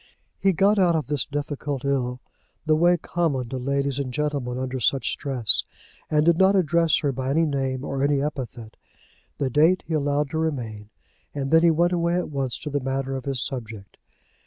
He got out of his difficulty in the way common to ladies and gentlemen under such stress, and did not address her by any name or any epithet. The date he allowed to remain, and then he went away at once to the matter of his subject.